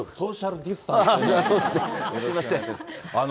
すみません。